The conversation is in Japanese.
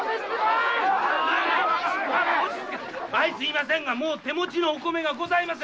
済みませんがもう手持ちのお米がございません。